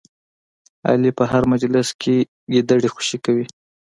علي په هر مجلس کې ګیدړې خوشې کوي.